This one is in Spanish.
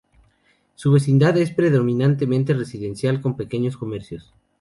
Su vecindad es predominantemente residencial y con pequeños comercios.